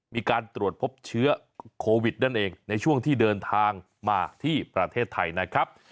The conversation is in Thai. มีการตรวจพบเชื้อโควิดนั่นเองในช่วงที่เดินทางมาที่ประเทศไทยนะครับ